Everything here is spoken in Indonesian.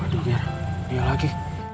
waduh biar dia lagi